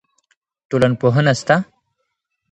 ټولنپوهنه سته.